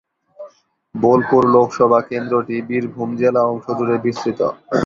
বোলপুর লোকসভা কেন্দ্রটি বীরভূম জেলা অংশ জুড়ে বিস্তৃত।